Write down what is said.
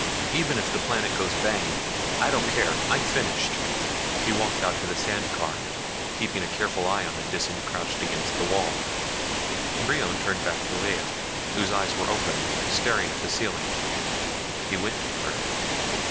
Even if the planet goes bang, I don't care. I'm finished." He walked out to the sand car, keeping a careful eye on the Disan crouched against the wall. Brion turned back to Lea, whose eyes were open, staring at the ceiling. He went to her.